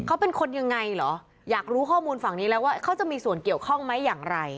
เขาเป็นคนยังไงเหรออยากรู้ข้อมูลฝั่งนี้แล้วว่าเขาจะมีส่วนเกี่ยวข้องไหมอย่างไร